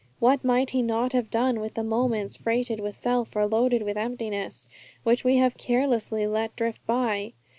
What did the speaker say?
What might He not have done with the moments freighted with self or loaded with emptiness, which we have carelessly let drift by!